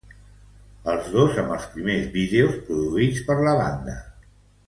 Els dos amb els primers vídeos produïts per la banda.